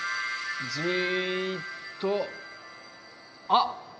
じっとあっ！